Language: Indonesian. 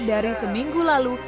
dari seminggu lalu